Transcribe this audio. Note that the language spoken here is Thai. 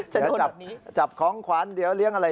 จะโดนแบบนี้เดี๋ยวจับของขวัญเดี๋ยวเลี่ยงอะไร